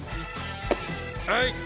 はい！